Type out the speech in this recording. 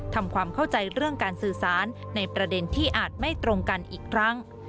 ทำความเข้าใจเรื่องการสื่อสารในประเด็นที่อาจไม่ตรงกันอีกครั้ง